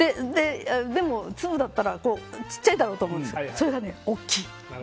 でも、粒だったらちっちゃいだろうと思うんですがそれが大きい。